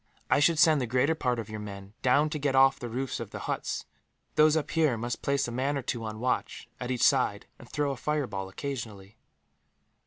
"I should send the greater part of your men down to get off the roofs of the huts. Those up here must place a man or two on watch, at each side, and throw a fireball occasionally."